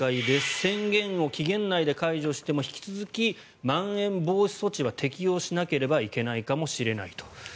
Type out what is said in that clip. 宣言を期限内で解除しても引き続き、まん延防止措置は適用しなければいけないかもしれないと。